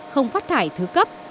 không phát thải thứ cấp